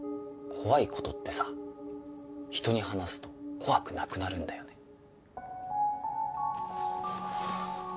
怖いことってさ人に話すと怖くなくなるんだよね。